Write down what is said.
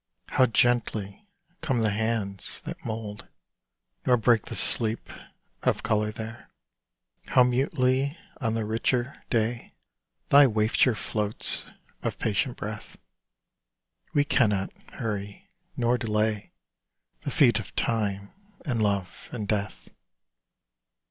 How gently come the Hands that mould, Nor break the sleep of color there! How mutely on the richer day Thy wafture floats of patient breath! We cannot hurry nor delay The feet of Time and Love and Death.